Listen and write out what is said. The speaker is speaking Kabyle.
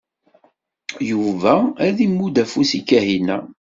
Yuba ad imudd afus i Kahina.